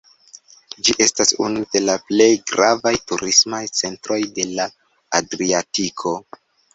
Ĝi estas unu de la plej gravaj turismaj centroj de la Adriatiko.